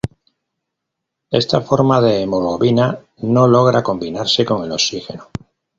Esta forma de hemoglobina no logra combinarse con el oxígeno.